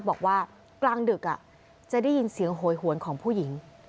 บอกว่ากลางดึกจะได้ยินเสียงโหยหวนของผู้หญิง